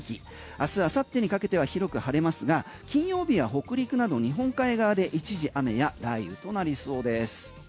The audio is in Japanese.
明日明後日にかけては広く晴れますが、金曜日は北陸など日本海側で一時、雨や雷雨となりそうです。